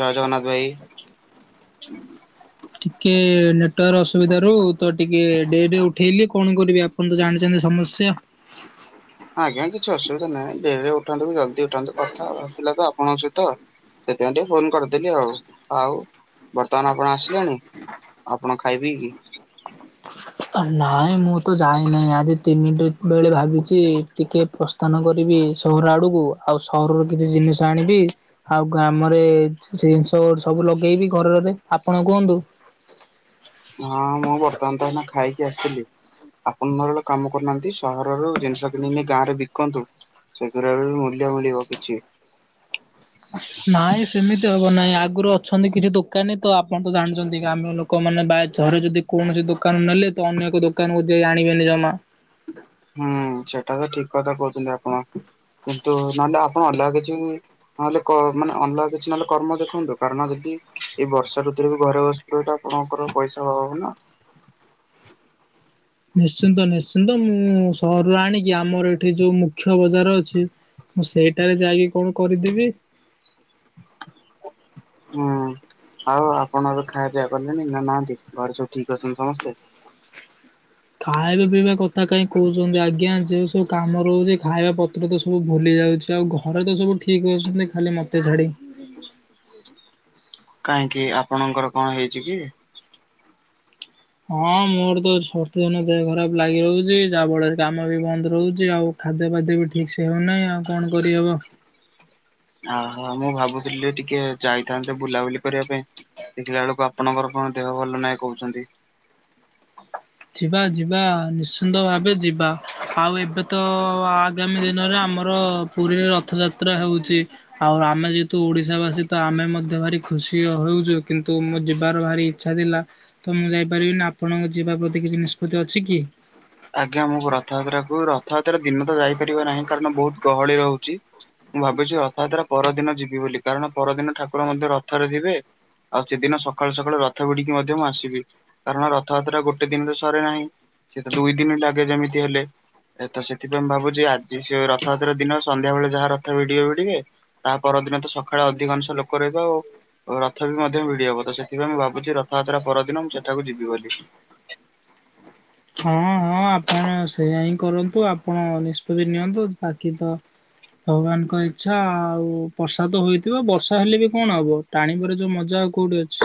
ଜୟ ଜଗନ୍ନାଥ ଭାଇ। କେ ନେଟୱାର୍ ଅସୁବିଧା ରୁ ତ ଟିକେ ଡେରି ରେ ଉଠେଇଲି। କଣ କରିବି ଆପଣ ତ ଜାଣିଚନ୍ତି ସମସ୍ୟା। ଆଜ୍ଞା କିଛି ଅସୁବିଧା ନାହିଁ, ଡେରିରେ ଉଠାନ୍ତୁ କି ଜଲଦି ଉଠାନ୍ତୁ କଥା ହବାର ଥିଲା ତ ଆପଣଙ୍କ ସହିତ। ସେଥିପାଇଁ ଟିକେ ଫୋନ୍ କରିଦେଲି ଆଉ। ଆଉ ବର୍ତ୍ତମାନ ଆପଣ ଆସିଲେଣି? ଆ ଆପଣ ଖାଇ ପିଇକି? ଆ, ନାଇଁ ମୁଁ ତ ଯାଇ ନାହିଁ ଆଜି ତିନିଟା ବେଳେ ଭାବିଛି ଟିକେ ପ୍ରସ୍ଥାନ କରିବି ସହର ଆଡକୁ। ଆଉ ସହରର କିଛି ଜିନିଷ ଆଣିବି। ଆଉ ଗାମରେ ଜିନିଷ ସବୁ ଲଗେଇବି ଘରରେ। ଆପଣ କୁହନ୍ତୁ। ହଁ ମୁଁ ବର୍ତ୍ତମାନ ତ ଏଇନା ଖାଇକି ଆସିଥିଲି। ଆପଣ ନହେଲେ ଗୋଟେ କାମ କରୁନାହାନ୍ତି ସହରରୁ ଜିନିଷ କିଣି ନେଇ ଗାଁରେ ବିିକନ୍ତୁ। ସେଗୁରା ବି ମୂଲ୍ୟ ମିଲିବ କିିଛି। ନାଇଁ ସେ ସେମିତି ହେବ ନାହିଁ, ଆଗରୁ ଅଛନ୍ତି କିଛି ଦୋକାନୀ ତ ଆପଣ ତ ଜାଣିଚନ୍ତି ଗାମ ଲୋକମାନେ ବା ଥରେ ଯଦି କୌଣସି ଦୋକାନ ନେଲେ ତ ଅନ୍ୟ ଏକ ଦୋକାନକୁ ଯାଇ ଆଣିବେନି ଜମା। ହୁଁ ସେଟା ତ ଠିକ କଥା କହୁଛନ୍ତି ଆପଣ କିନ୍ତୁ ନହେଲେ ଆପଣ ଅଲଗା କିଛି ନହେଲେ ମାନେ ଅଲଗା କିଛି ନହେଲେ କର୍ମ ଦେଖନ୍ତୁ କାରଣ ଯଦି ଏଇ ବର୍ଷା ଋତୁରେ ବି ଘରେ ହୁଏତ ଆପଣଙ୍କର ପଇସା ଅଭାବ ନା? ନିଶ୍ଚିନ୍ତ ନିଶ୍ଚିନ୍ତ, ମୁଁ ସହରରୁ ଆଣିକି ଆମର ଏଠି ଯୋଉ ମୁଖ୍ୟ ବଜାର ଅଛି ମୁଁ ସେଇଟାରେ ଯାଇକି କଣ କରିଦେବି। ହୁଁ, ଆଉ ଆପଣ ଖାଇବା ପିଆ କଲେଣି ନା ନାହାନ୍ତି? ଘରେ ସବୁ ଠିକ ଅଛନ୍ତି ସମସ୍ତେ? ଖାଇବା ପିଇବା କଥା କାହିଁ କହୁଛନ୍ତି ଆଜ୍ଞା, ଯେଉଁ ସବୁ କାମ ରହୁଛି ଖାଇବା ପତ୍ର ତ ସବୁ ଭୁଲି ଯାଉଛି ଆଉ ଘରେ ତ ସବୁ ଠିକ୍ ଅଛନ୍ତି ଖାଲି ମୋତେ ଛାଡ଼ି। କାହିଁକି ଆପଣଙ୍କର କଣ ହେଇଛି କି? ହଁ ମୋର ତ [unintelligible] ଦିନ ଦେହ ଖରାପ ଲାଗି ରହୁଛି ଯାହା ଫଳରେ କାମ ବି ବନ୍ଦ ରହୁଛି ଆଉ। ଖାଦ୍ୟଫାଦ୍ୟ ବି ଠିକ୍ ସେ ହେଉନାହିଁ, ଆଉ କଣ କରିହେବ। ଓହୋ, ମୁଁ ଭାବୁଥିଲି ଯେ ଟିକେ ଯାଇଥାନ୍ତେ ବୁଲାବୁଲି କରିବା ପାଇଁ ଦେଖିଲା ବେଳକୁ ଆପଣଙ୍କର କଣ ଦେହ ଭଲ ନାହିଁ କହୁଛନ୍ତି? ଯିବା ଯିବା ନିଶ୍ଚିନ୍ତ ଭାବେ ଯିବା ଆଉ ଏବେ ତ ଆଗାମୀ ଦିନରେ ଆମର ପୁରୀ ରଥଯାତ୍ରା ହେଉଛି। ଆଉ ଆମେ ଯେହେତୁ ଓଡିଶା ବାସୀ ତ ଆମେ ମଧ୍ୟ ଭାରି ଖୁସି ହେଉଛୁ କିନ୍ତୁ ମୁଁ ଯିବାର ଭାରି ଇଛା ଥିଲା, ତ ମୁଁ ଯାଇପାରିବିନି ଆପଣଙ୍କ ଯିବା ପ୍ରତି କିଛି ନିଷ୍ପତ୍ତି ଅଛି କି? ଆଜ୍ଞା ମୁଁ ରଥଯାତ୍ରା କୁ, ରଥଯାତ୍ରା ଦିନ ତ ଯାଇପାରିବା ନାହିଁ କାରଣ ବହୁତ ଗହଳି ରହୁଛି। ମୁଁ ଭାବୁଛି ରଥଯାତ୍ରା ପରଦିନ ଯିବି ବୋଲି, କାରଣ ପରଦିନ ଠାକୁର ମଧ୍ୟ ରଥରେ ଥିବେ। ଆଉ ସେଦିନ ସକାଳୁ ସକାଳୁ ରଥ ବିିଡିକି ମଧ୍ୟ ମୁଁ ଆସିବି, କାରଣ ରଥଯାତ୍ରା ଗୋଟେ ଦିନରେ ସରେ ନାହିଁ। ସେ ଦୁଇ ଦିନ ଲାଗେ ଯେମିତି ହେଲେ। ଏ ତ ସେଥିପାଇଁ ଭାବୁଛି ଆଜି ସେ ରଥଯାତ୍ରା ଦିନ ସନ୍ଧ୍ୟା ବେଳେ ଯାହା ରଥ ଭିଡିବେ ଭିଡିବେ। ତା ପରଦିନ ତ ସକାଳେ ଅଧିକାଂଶ ଲୋକ ରହିବେ ଆଉ। ଓ ରଥ ବି ମଧ୍ୟ ଭିଡି ହବ, ତ ସେଥିପାଇଁ ମୁଁ ଭାବୁଛି ରଥଯାତ୍ରା ପରଦିନ ମୁଁ ସେଠାକୁ ଯିବି ବୋଲି। ହଁ ହଁ ଆପଣ ସେଇୟା ହିଁ କରନ୍ତୁ, ଆପଣ ନିଷ୍ପତ୍ତି ନିଅନ୍ତୁ ବାକି ତ ଭଗବାନଙ୍କ ଇଛା ଆଉ ପ୍ରସାଦ ହୋଇଥିବ, ବର୍ଷା ହେଲେ ବି କଣ ହବ? ଟାଣିବାର ଯୋଉ ମଜା ଆଉ କୋଉଠି ଅଛି?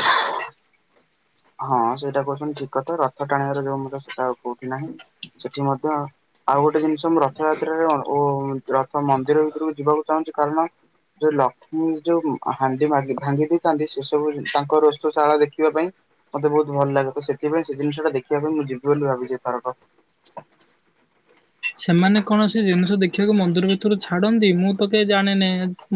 ହଁ ସେଇଟା କହୁଛନ୍ତି ଠିକ କଥା, ରଥ ଟାଣିବାର ଯୋଉ ମଜା, ସେଟା ଆଉ କୋଉଠି ନାହିଁ, ସେଠି ମଧ୍ୟ ଆଉ ଗୋଟେ ଜିନିଷ ମୁଁ ରଥଯାତ୍ରାରେ ରଥ ମନ୍ଦିର ଭିତରକୁ ଯିବାକୁ ଚାହୁଁଛି, କାରଣ ଯୋଉ ଲକ୍ଷ୍ମୀ ଯୋଉ ହାଣ୍ଡି ଭାଙ୍ଗି ଦେଇଥାନ୍ତି, ସେ ସବୁ ତାଙ୍କର ରଷଶାଳା ଦେଖିବା ପାଇଁ। ମତେ ବହୁତ ଭଲ ଲାଗେ, ତ ସେଥିପାଇଁ ସେ ଜିନିଷଟା ଦେଖିବା ପାଇଁ ମୁଁ ଯିବି ବୋଲି ଭାବିଛି ଏଥରକ। ସେମାନେ କୌଣସି ଜିନିଷ ଦେଖିବାକୁ ମନ୍ଦିର ଭିତରୁ ଛାଡନ୍ତି ମୁଁ ତ କେହି ଜାଣିନି?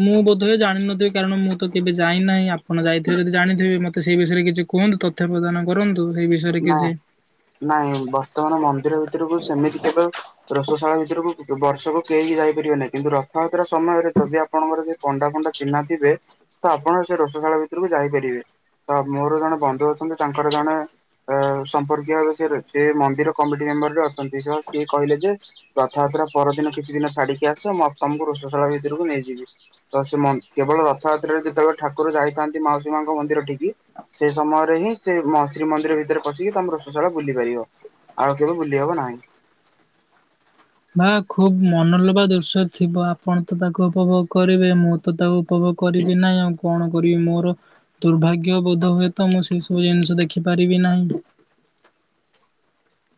ମୁଁ ବୋଧ ହୁଏ ଜାଣିନଥିବି, କାରଣ ମୁଁ ତ କେବେ ଯାଇ ନାହିଁ, ଆପଣ ଯାଇଥିବେ ଯଦି ଜାଣିଥିବେ, ମତେ ସେଇ ବିଷୟରେ କିଛି କୁହନ୍ତୁ ତଥ୍ୟ ପ୍ରଦାନ କରନ୍ତୁ, ସେଇ ବିଷୟ ନା, ନା, ବର୍ତ୍ତମାନ ମନ୍ଦିର ଭିତରକୁ ସେମିତି କେବେ ରସଶାଳ ଭିତରକୁ ବର୍ଷକୁ କେହି ଯାଇପାରିବେ ନାହିଁ କିନ୍ତୁ ରଥଯାତ୍ରା ସମୟରେ ଯଦି ଆପଣଙ୍କର ଯ ପଣ୍ଡା ଫଣ୍ଡା ଚିହ୍ନା ଥିବେ, ତ ଆପଣ ସେ ରସଶାଳ ଭିତରକୁ ଯାଇପାରିବେ। ତ ମୋର ଜଣେ ବନ୍ଧୁ ଅଛନ୍ତି ତାଙ୍କର ଜଣେ ଅ ସମ୍ପର୍କୀୟ ଭାବେ ସେ ସେ ମନ୍ଦିର କମିଟି ମେମ୍ବର ରେ ଅଛନ୍ତି ସହ ସିଏ କହିଲେ ଯେ ରଥଯାତ୍ରା ପରଦିନ କିଛି ଦିନ ଛାଡିକି ଆସ, ମୁ ତମକୁ ରୋଷସାଳା ଭିତରକୁ ନେଇଯିବି। ତ ସେ କେବଳ ରଥଯାତ୍ରାରେ ଯେତେବେଳେ ଠାକୁର ଯାଇଥାନ୍ତି ମାଉସୀ ମାଙ୍କ ମନ୍ଦିର ଠିକି ସେ ସମୟରେ ହିଁ ସେ ଶ୍ରୀମନ୍ଦିର ଭିତରେ ପଶିକି ତମର ରୋଷଶାଳା ବୁଲି ପାରିବ, ଆଉ କେବେ ବୁଲି ହବ ନାହିଁ। ବା ଖୁବ ମନଲୋବା ଦୃଶ୍ୟ ଥିବ, ଆପଣ ତ ତାକୁ ଉପଭୋଗ କରିବେ, ମୁଁ ତ ତାକୁ ଉପଭୋଗ କରିବି ନାଇଁ, ଆଉ କଣ କରିବି, ମୋର ଦୁର୍ଭାଗ୍ୟବୋଧ ହୁଏ ତ, ମୁଁ ସେଇ ସବୁ ଜିନିଷ ଦେଖିପାରିବି ନାହିଁ।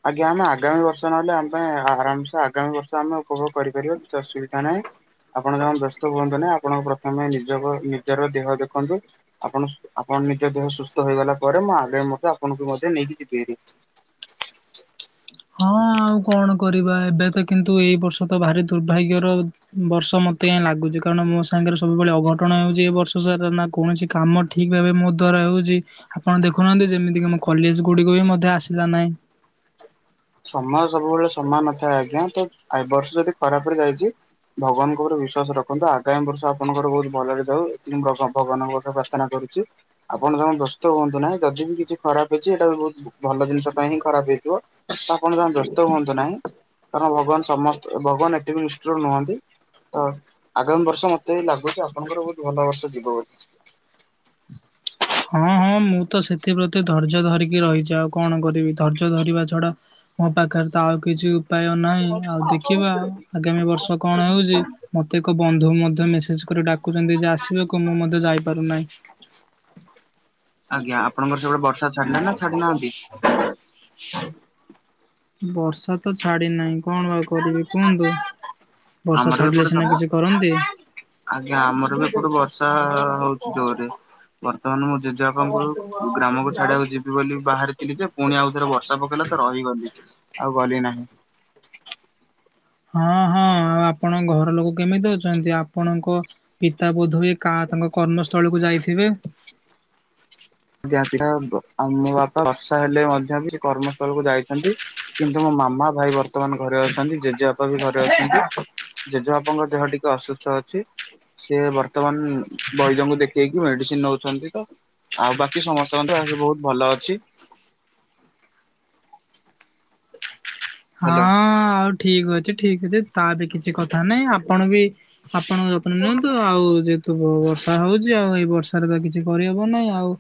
ଆଜ୍ଞା ଆମେ ଆଗାମୀ ବର୍ଷ ନହେଲେ ଆମ ପାଇଁ ଆରାମସେ ଆଗାମୀ ବର୍ଷ ଆମେ ଉପଭୋଗ କରିପାରିବା କିଛି ଅସୁବିଧା ନାହିଁ। ଆପଣ ଜମା ବ୍ୟସ୍ତ ହୁଅନ୍ତୁ ନାହିଁ, ଆପଣ ପ୍ରଥମେ ନିଜ ନିଜର ଦେହ ଦେଖନ୍ତୁ। ଆପଣ ଆପଣ ନିଜ ଦେହ ସୁସ୍ଥ ହେଇଗଲା ପରେ ମୁଁ ଆଗେ ମଧ୍ୟ ଆପଣଙ୍କୁ ମଧ୍ୟ ନେଇକି ଯିବିହାରି। ହଁ ଆଉ କଣ କରିବା ଏବେ ତ କିନ୍ତୁ ଏଇ ବର୍ଷ ତ ଭାରି ଦୁର୍ଭାଗ୍ୟର ବର୍ଷ ମତେ ଏଁ ଲାଗୁଛି କାରଣ ମୋ ସାଙ୍ଗରେ ସବୁବେଳେ ଅଘଟଣ ହେଉଛି ଏ ବର୍ଷ ସ ନା କୌଣସି କାମ ଠିକ ଭାବେ ମୋ ଦ୍ଵାରା ହେଉଛି ଆପଣ ଦେଖୁନାହାନ୍ତି ଯେମିତିକି ଆମ କଲେଜ ଗୁଡିକ ବି ମଧ୍ୟ ଆସିଲା ନାହିଁ। ସମୟ ସବୁବେଳେ ସମୟ ନଥାଏ ଆଜ୍ଞା ତ ଏ ବର୍ଷ ଯଦି ଖରାପ ରେ ଯାଇଛି ଭଗବାନଙ୍କ ଉପରେ ବିଶ୍ବାସ ରଖନ୍ତୁ ଆଗାମୀ ବର୍ଷ ଆପଣଙ୍କର ବହୁତ ଭଲରେ ଯାଉ ଏଥି ଭଗବାନଙ୍କ ପ୍ରାର୍ଥନା ପ୍ରାର୍ଥନା କରୁଛି ଆପଣ ଯମା ବ୍ୟସ୍ତ ହୁଅନ୍ତୁ ନାହିଁ ଯଦି ବି କିଛି ଖରାପ ହେଇଛି ଏଇଟା ବି ବହୁତ ଭଲ ଜିନିଷ ପାଇଁ ହିଁ ଖରାପ ହେଇଥିବ ଆପଣ ଯମା ବ୍ୟସ୍ତ ହୁଅନ୍ତୁ ନାହିଁ କାରଣ ଭଗବାନ ସମସ୍ତ ଭଗବାନ ଏତେ ବି ନିଷ୍ଠୁର ନୁହନ୍ତି ତ ଆଗାମୀ ବର୍ଷ ମତେ ବି ଲାଗୁଛି ଆପଣଙ୍କର ବହୁତ ଭଲ ବର୍ଷ ଯିବ ବୋଲି ହଁ ହଁ ମୁଁ ତ ସେଥିପ୍ରତି ଧୈର୍ଯ୍ୟ ଧରିକି ରହିଛି ଆଉ କଣ କରିବି ଧୈର୍ଯ୍ୟ ଧରିବା ଛଡା ମୋ ପାଖରେ ତ ଆଉ କିଛି ଉପାୟ ନାହିଁ ଆଉ ଦେଖିବା ଆଗାମୀ ବର୍ଷ କଣ ହେଉଛି ମତେ ପ୍ରତ୍ୟେକ ବନ୍ଧୁ ମଧ୍ୟ ମେସେଜ କରି ଡାକୁଛନ୍ତି ଯେ ଆସିବେ କ ମୁଁ ମଧ୍ୟ ଯାଇପାରୁନାହିଁ ଆଜ୍ଞା ଆପଣଙ୍କ ସେପଟେ ବର୍ଷା ଛାଡ଼ିଲାନି ନା ଛାଡିନାହାନ୍ତି ବର୍ଷା ତ ଛାଡି ନାହିଁ କଣ ବା କରିବି କୁହନ୍ତୁ ବର୍ଷା ଆମର ବି ଛାଡିଲେ ସିନା ଏପଟେ କିଛି କରନ୍ତି। ଆଜ୍ଞା ଆମର ବି ଏପଟୁ ବର୍ଷା ହଉଛି ଜୋରରେ ବର୍ତ୍ତମାନ ମୁଁ ଜେଜେ ବାପାଙ୍କୁ ଗ୍ରାମକୁ ଛାଡିବାକୁ ଯିବି ବୋଲି ବାହାରିଥିଲି ଯେ ପୁଣି ଆଉ ରେ ବର୍ଷା ପକେଇଲା ତ ରହିଗଲି ଆଉ ଗଲି ନାହିଁ ହଁ ହଁ ଆଉ ଆପଣଙ୍କ ଘର ଲୋକ କେମିତି ଅଛନ୍ତି୍? ଆପଣଙ୍କ ପିତା ବୋଧୁଉଏ କା ତାଙ୍କ କର୍ମସ୍ଥଳୀକୁୁ ଯାଇଥିବେ? [unintelligible] ଯହା ଆମ ବାପା ବର୍ଷା ହେଲେ ମଧ୍ୟ ବି ସେ କର୍ମ କୁ ଯାଇଛନ୍ତି କିନ୍ତୁ ମୋ ମାମା ଭାଇ ବର୍ତ୍ତମାନ ଘରେ ଅଛନ୍ତି ଜେଜେବାପା ବି ଘରେ ଅଛନ୍ତି ଜେଜେବାପାଙ୍କ ଦେହ ଟିକେ ଅସୁସ୍ଥ ଅଛି ସେ ବର୍ତ୍ତମାନ ବୈଦଙ୍କୁ ଦେଖେଇକି ମେଡିସିନ ନଉଛନ୍ତି ତ ଆଉ ବାକି କି ସମସ୍ତଙ୍କଠୁ ଆହୁରି ବହୁତ ଭଲ ଅଛି। ହ୍ୟାଲୋ। ହଁ ଆଉ ଠିକ ଅଛି ଠିକ ଅଛି ତା ବି କିଛି କଥା ନାହିଁ ଆପଣ ବି ଆପଣଙ୍କ ନିଅନ୍ତୁ ଆଉ ଯେହେତୁ ବର୍ଷା ହଉଛି ଆଉ ଏଇ ବର୍ଷାରେ ତ କିଛି କରିହବ ନାହିଁ ଆଉ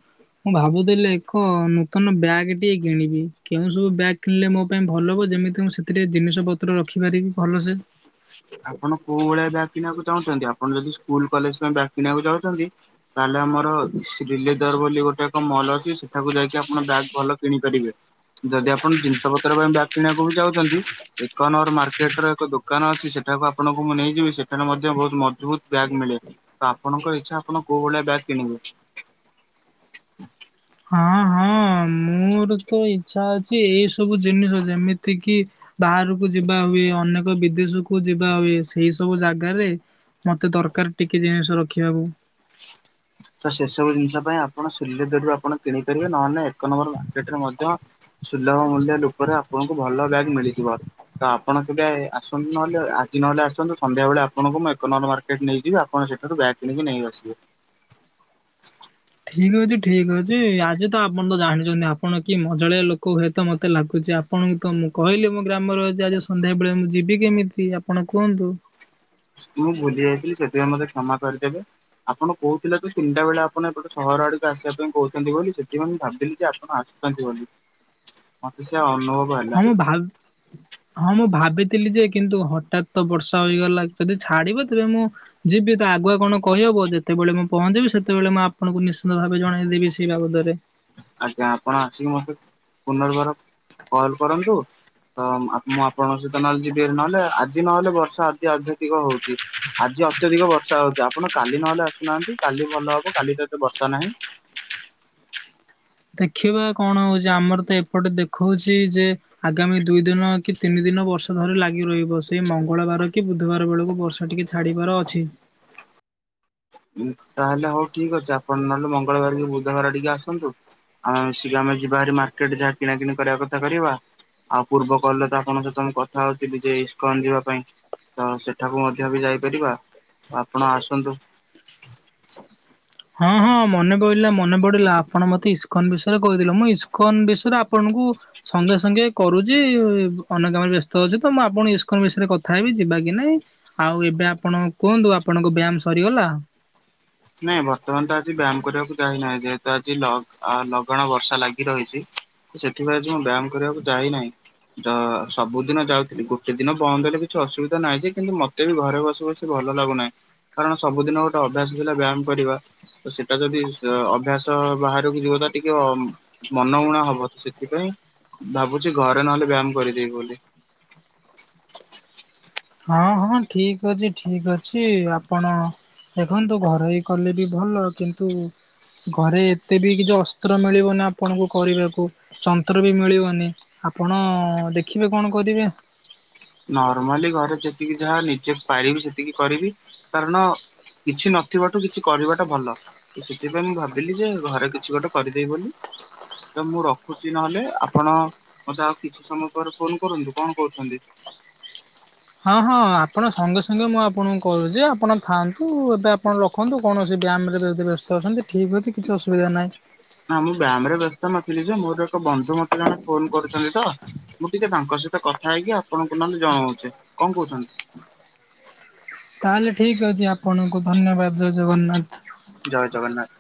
ମୁଁ ଭାବୁଥିଲି ଏକ ନୂତନ ବ୍ୟାଗ୍ ଟିଏ କିଣିବି କେଉଁ ସବୁ ବ୍ୟାଗ୍ କିଣିଲେ ମୋ ପାଇଁ ଭଲ ହେବ ଯେମିତି ମୁଁ ସେଥିରେରେ ଜିନିଷ ପତ୍ର ରଖିପାରିବି ଭଲସେ ଆପଣ କୋଉ ଭଳିଆ ବ୍ୟାଗ କିଣିବାକୁ ଚାହୁଁଛନ୍ତି, ଆପଣ ଯଦି ସ୍କୁଲ କଲେଜ ପାଇଁ ବ୍ୟାଗ୍ କିଣିବାକୁ ଚାହୁଁଛନ୍ତି ତାହେଲେ ଆମର ଶ୍ରୀି ଲେଦର ବୋଲି ଗୋଟେ ଏକ ମଲ୍ ଅଛି ସେଠାକୁ ଯାଇକି ଆପଣ ବ୍ୟାଗ୍ ଭଲ କିଣି ପାରିବେ। ଯଦି ଆପଣ ଜିନିଷ ପତ୍ର ପାଇଁ ବ୍ୟା କିଣିବାକୁ ବି ଯାଉଛନ୍ତି ଏକନର ମାର୍କେଟ ର ଏକ ଦୋକାନ ଅଛି ସେଠି ସେଟାକୁ ଆପଣଙ୍କୁ ମୁଁ ନେଇଯିବି ସେଠାରେ ମଧ୍ୟ ବହୁତ ମଜବୁତ ବ୍ୟାଗ୍ ମିଳେ। ତ ଆପଣଙ୍କର ଇଚ୍ଛା ଆପଣ କଉ ଭଳିଆ ବ୍ୟାଗ୍ କିଣିବେ? ହଁ ହଁ ମୋର ତ ଇଚ୍ଛା ଅଛି ଏଇ ସବୁ ଜିନିଷ ଯେମିତି କିି ବାହାରକୁ ଯିବା ହୁଏ ଅନେକ ବିଦେଶ କୁ ଯିବା ହୁଏ ସେଇ ସବୁ ଜାଗାରେ ମୋତେ ଦରକାର ଟିକେ ଜିନିଷ ରଖିବାକୁ ତ ସେସବୁ ଜିନିଷ ପାଇଁ ଆପଣ ଶ୍ରୀ ଲେଦରରୁ ଆପଣ କିଣିପାରିବେ ନହେଲେ ଏକ ନମ୍ବର ମାର୍କେଟରେ ମଧ୍ୟ ସୁଲଭ ମୂଲ୍ୟ ଲୋକରେ ଆପଣଙ୍କୁ ଭଲ ବ୍ୟାଗ୍ ମିଳିଯିବ। ତ ଆପଣ କେବେ ଆସନ୍ତୁ ନହେଲେ ଆଜି ନହେଲେ ଆସନ୍ତୁ ସନ୍ଧ୍ୟାବେଳେ ଆଣଙ୍କୁ ମୁଁ ଏକ ନମ୍ବର ମାର୍କେଟ ନେଇଯିବି ଆଉ ଆପଣ ସେଠାରୁ ବ୍ୟାଗ୍ କିଣିକି ନେଇ ଆସିବେ। ଠିକ୍ ଅଛି ଠିକ୍ ଅଛି ଆଜି ତ ଆପଣ ତ ଜାଣିଛନ୍ତି ଆପଣ କି ମଜାଳିଆ ଲୋକ ହୁଏତ ମୋତେ ଲାଗୁଛି ଆପଣଙ୍କୁ ତ ମୁଁ କହିଲି ମୋ ଗ୍ରାମର ଯେ ଆଜି ସନ୍ଧ୍ୟାବେଳେ ମୁଁ ଯିବି କେମିତି ଆପଣ କୁହନ୍ତୁ? ମୁଁ ଭୁଲି ଯାଇଥିଲି ସେଥିପାଇଁ ମତେ କ୍ଷମା କରିଦେବେ ଆପଣ କହୁଥିଲେ ଯେ ତିନିଟା ବେଳେ ଆପଣ ଏପଟେ ସହର ଆଡକୁ ଆସିବା ପାଇଁ କହୁଛନ୍ତି ବୋଲି ସେଥିପାଇଁ ମୁଁ ଭାବିଲି ଯେ ଆପଣ ଆ [unintelligible] ମତେ ସେ ଅନୁଭବ ହେଲା ହଁ ମୁଁ ଭା [unintelligible] ହଁ ମୁଁ ଭାବିଥିଲି ଯେ କିନ୍ତୁ ହଠାତ୍ ତ ବର୍ଷା ହେଇଗଲା ଯଦି ଛାଡିବ ତେବେ ମୁଁ ଯିବି ତ ଆଗୁଆ କଣ କହିହବ ଯେତେବେଳେ ମୁଁ ପହଞ୍ଚିବି ସେତେବେଳେ ମୁଁ ଆପଣଙ୍କୁ ନିଶ୍ଚିନ୍ତ ଭାବେ ଜଣେଇଦେବି ସେଇ ବାବଦରେ। ଆଜ୍ଞା ଆପଣ ଆସିକି ମତେ ପୁନର୍ବାର କଲ୍ କରନ୍ତୁ। ତ ମ୍ ଆ ମୁଁ ଆପଣଙ୍କ ସହିତ ନହେଲେ ଯିବି ହାରି ନହେଲେ ଆଜି ନହେଲେ ବର୍ଷା ଅତି ଅତ୍ୟଧିକ ହୋଉଚି। ଆଜି ଅତ୍ୟଧିକ ବର୍ଷା ହୋଉଚି ଆପଣ କାଲି ନହେଲେ ଆସୁନାହାନ୍ତି କାଲି ଭଲ ହବ କାଲି ତ ଏତେ ବର୍ଷା ନାହିଁ। ଦେଖିବା କଣ ହୋଉଚି ଆମର ତ ଏପଟେ ଦେଖୋଉଛି ଯେ ଆଗାମୀ ଦୁଇ ଦିନ କି ତିନି ଦିନ ବର୍ଷା ଧରି ଲାଗି ରହିବ ସେଇ ମଙ୍ଗଳବାର କି ବୁଧବାର ବେଳକୁ ବର୍ଷା ଟିକେ ଛା ଛାଡ଼ିବାର ଅଛି। ଉଁ ତାହେଲେ ହଉ ଠିକ୍ ଅଛି ଆପଣ ନହେଲେ ମଙ୍ଗଳବାର କି ବୁଧବାର ଟିକେ ଆସନ୍ତୁ। ଆମେ ମିିଶିକି ଆମେ ଯିବା ଭାରି ମାର୍କେଟ ଯାହା କିଣାକିଣି କରିବା କଥା କରିବା। ଆଉ ପୂର୍ବ କହିଲେ ତ ଆପଣଙ୍କ ସହିତ ମୁଁ କଥା ହୋଉଥୁଲି ଯେ ଇସ୍କନ ଯିବା ପାଇଁ। ତ ସେଠାକୁ ମଧ୍ୟ ବି ଯାଇପାରିବା ଆପଣ ଆସନ୍ତୁ। ହଁ ହଁ ମନେ ପଇଲା ମନେ ପଡିଲା ଆପଣ ମତେ ଇସ୍କନ ବିଷୟରେ କହିଥିଲେ ମୁଁ ଇସ୍କନ ବିଷୟରେ ଆପଣଙ୍କୁ ସଙ୍ଗେ ସଙ୍ଗେ କରୁଚି ଅନ୍ୟ କାମରେ ବ୍ୟସ୍ତ ଅଛି ତ ମୁଁ ଆପଣ ଇସ୍କନ୍ ବିଷୟରେ କଥା ହେବି ଯିବା କି ନାଇଁ। ଆଉ ଏବେ ଆପଣ କୁହନ୍ତୁ ଆପଣଙ୍କ ବ୍ୟାମ ସରିଗଲା? ନାଇଁ ବର୍ତ୍ତମାନ ତ ଆଜି ବ୍ୟାମ କରିବାକୁ ଯାଇନାହିଁ ଯେହେତୁ ଆଜି ଲଗ୍ ଆ ଲଗାଣ ବର୍ଷା ଲାଗି ରହିଚି। ତ ସେଥିପାଇଁ ଆଜି ମୁଁ ବ୍ୟାମ କରିବାକୁ ଯାଇନାହିଁ। ଯ ସବୁଦିନ ଯାଉଥିଲି ଗୋଟେ ଦିନ ବନ୍ଦ ହେଲେ କିଛି ଅସୁବିଧା ନାହିଁ ଯେ କିନ୍ତୁ ମ ମତେ ବି ଘରେ ବସି ବସି ଭଲ ଲାଗୁନାହିଁ କାରଣ ସବୁଦିନ ଗୋଟେ ଅଭ୍ୟାସ ଥିଲା ବ୍ୟାମ କରିବା। ତ ସେଟା ଯଦି ସେ ଅଭ୍ୟାସ ବାହାରକୁ ଯିବ ତା ଟିକେ ଅ ମନଉଣା ହବ ତ ସେଥିପାଇଁ ଭାବୁଛି ଘରେ ନହେଲେ ବ୍ୟାମ କରିଦେବି ବୋଲି। ହଁ ହଁ ଠିକ ଅଛି ଠିକ ଅଛି ଆପଣ ଦେଖନ୍ତୁ ଘରୋଇ କଲେ ବି ଭଲ କିନ୍ତୁ ସେ ଘରେ ଏତେ ବି କିଛି ଅସ୍ତ୍ର ମିଳିବନି ଆପଣଙ୍କୁ କରିବାକୁ। ଯନ୍ତ୍ର ବି ମିଳିବନି ଆପଣ ଦେଖିବେ କଣ କରିବେ। ନର୍ମାଲି ଘରେ ଯେତିକି ଯାହା ନିଜେ ପାରିବି ସେତିକି କରିବି କାରଣ କିଛି ନଥିବାଠୁ କିଛି କରିବାଟା ଭଲ। ତ ସେଥିପାଇଁ ମୁଁ ଭାବିଲି ଯେ ଘରେ କିଛି ଗୋଟେ କରିଦେଇବି ବୋଲି ତ ମୁଁ ରଖୁଚି ନହେଲେ ଆପଣ ମତେ ଆଉ କିଛି ସମୟ ପରେ ଫୋନ କରନ୍ତୁ କଣ କହୁଛନ୍ତି? ହଁ ହଁ ଆପଣ ସଙ୍ଗେ ସଙ୍ଗେ ମୁଁ ଆପଣଙ୍କୁ କୋହୁଚି ଆପଣ ଥାଆନ୍ତୁ ଏବେ ଆପଣ ର ଖନ୍ତୁ କୌଣସି ବ୍ୟାମରେ ଯଦି ବ୍ୟସ୍ତ ଅଛନ୍ତି ଠିକ୍ ଅଛି କିଛି ଅସୁବିଧା ନାହିଁ। ନା ମୁଁ ବ୍ୟାମରେ ବ୍ୟସ୍ତ ନଥିଲି ଯେ ମୋର ଏକ ବନ୍ଧୁ ମତେ ଜଣେ ଫୋନ କରୁଛନ୍ତି ତ ମୁଁ ଟିକେ ତାଙ୍କ ସହିତ କଥା ହେଇକି ଆପଣଙ୍କୁ ନହେଲେ ଜଣୋଉଛି କଣ କହୁଛନ୍ତି? ତାହେଲେ ଠିକ ଅଛି ଆପଣଙ୍କୁ ଧନ୍ୟବାଦ ଜୟ ଜଗନ୍ନାଥ। ଜୟ ଜଗନ୍ନାଥ।